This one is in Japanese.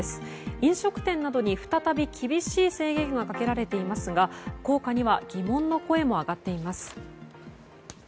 飲食店などに再び厳しい制限がかけられていますが効果には疑問の声も上がっています。